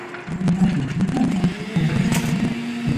The United States' biggest rival in rugby is Canada.